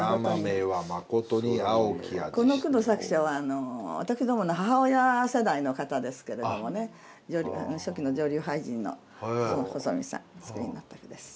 この句の作者は私どもの母親世代の方ですけれどもね初期の女流俳人の細見さんお作りになった句です。